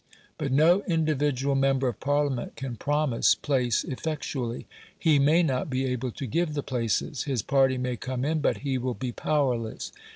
But no individual member of Parliament can promise place effectually. HE may not be able to give the places. His party may come in, but he will be powerless.